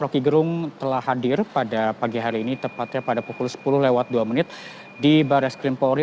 roky gerung telah hadir pada pagi hari ini tepatnya pada pukul sepuluh lewat dua menit di barres krim polri